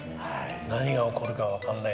何が起こるか分からない。